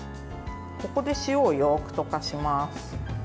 ここで塩をよく溶かします。